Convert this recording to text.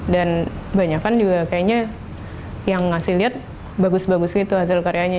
dan banyak kan juga kayaknya yang ngasih liat bagus bagus gitu hasil karyanya